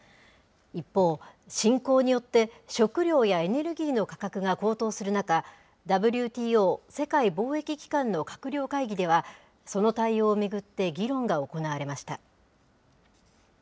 一方、侵攻によって食料やエネルギーの価格が高騰する中、ＷＴＯ・世界貿易機関の閣僚会議では、その対応を巡って議論が行われました。